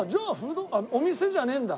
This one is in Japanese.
お店じゃねえんだ。